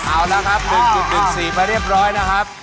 เอาละครับหนึ่งจุดหนึ่งสี่มาเรียบร้อยนะครับ